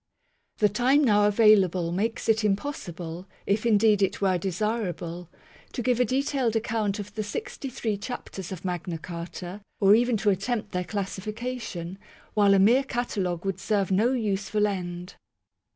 The time now available makes it impossible, if indeed it were desir able, to give a detailed account of the sixty three chapters of Magna Carta or even to attempt their classification; while a mere catalogue would serve no useful end.